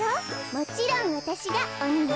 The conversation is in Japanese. もちろんわたしがおにね。